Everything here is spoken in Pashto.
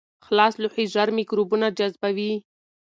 خلاص لوښي ژر میکروبونه جذبوي.